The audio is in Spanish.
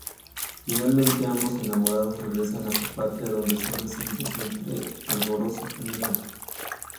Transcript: Finalmente ambos enamorados regresan a su patria donde son recibidos entre el alborozo general.